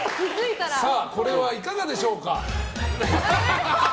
さあ、これはいかがでしょうか？